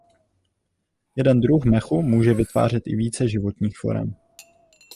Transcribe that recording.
Jeden druh mechu může vytvářet i více životních forem.